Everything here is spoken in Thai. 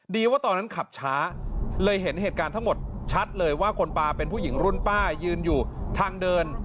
ว่าตอนนั้นขับช้าเลยเห็นเหตุการณ์ทั้งหมดชัดเลยว่าคนปลาเป็นผู้หญิงรุ่นป้ายืนอยู่ทางเดิน